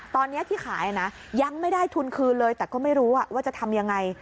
ตอนนี้ที่ขายนะยังไม่ได้ทุนคืนเลยแต่ก็ไม่รู้ว่าจะทำยังไง